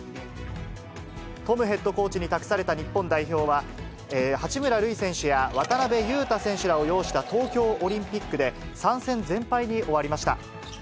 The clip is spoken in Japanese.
トムヘッドコーチに託された日本代表は、八村塁選手や渡邊雄太選手らを擁した東京オリンピックで、３戦全敗に終わりました。